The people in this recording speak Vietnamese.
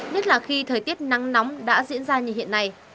nhất là khi thời tiết nắng nóng đã diễn ra như hiện nay